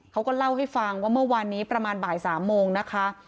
เขาก็เล่าให้ฟังว่าเมื่อวานนี้ประมาณบ่าย๓โมงนะคะ